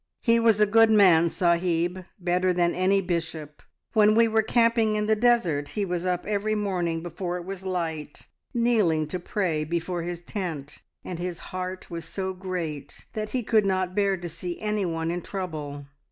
`He was a good man, sahib, better than any bishop. When we were camping in the desert he was up every morning before it was light, kneeling to pray before his tent, and his heart was so great that he could not bear to see anyone in trouble.